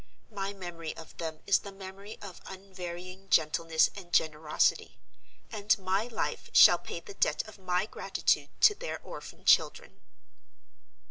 My memory of them is the memory of unvarying gentleness and generosity; and my life shall pay the debt of my gratitude to their orphan children."